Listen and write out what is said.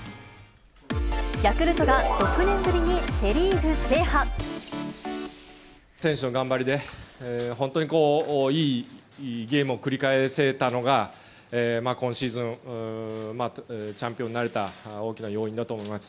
ヤクルトが６年ぶりにセ・リ選手の頑張りで、本当にいいゲームを繰り返せたのが今シーズン、チャンピオンになれた大きな要因だと思います。